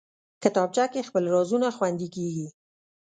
کتابچه کې خپل رازونه خوندي کېږي